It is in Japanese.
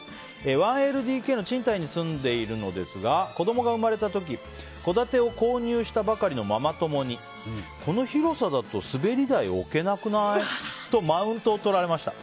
１ＬＤＫの賃貸に住んでいるのですが子供が生まれた時戸建てを購入したばかりのママ友に、この広さだと滑り台置けなくない？とマウントをとられました。